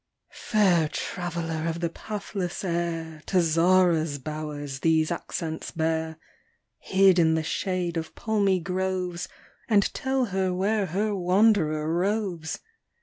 Fair traveller of the pathless air, To Zara's bowers these accents bear, Hid in the shade of palmy groves, And tell her where her wanderer roves